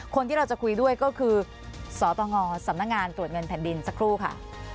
คนที่เราจะคุยด้วยก็คือสตงสำนักงานตรวจเงินแผ่นดินสักครู่ค่ะ